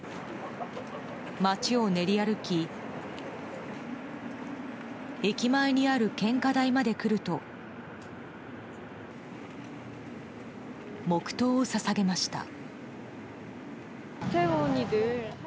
街を練り歩き駅前にある献花台まで来ると黙祷を捧げました。